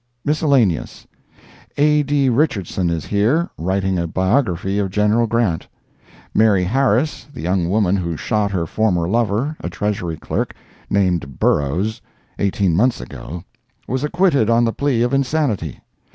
Miscellaneous. A. D. Richardson is here, writing a biography of General Grant. Mary Harris, the young woman who shot her former lover, a Treasury Clerk, named Burroughs, eighteen months ago, was acquitted on the plea of insanity.